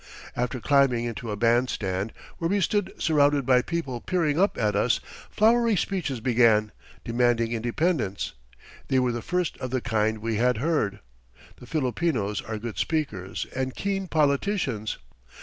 After climbing into a bandstand, where we stood surrounded by people peering up at us, flowery speeches began, demanding independence. They were the first of the kind we had heard. The Filipinos are good speakers and keen politicians.